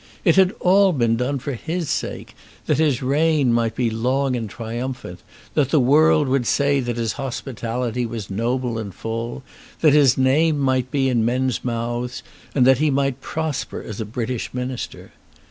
It had all been done for his sake, that his reign might be long and triumphant, that the world might say that his hospitality was noble and full, that his name might be in men's mouths, and that he might prosper as a British Minister.